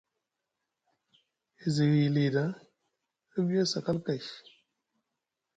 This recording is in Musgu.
E zi hiy li ɗa, e wiyi asakal kay.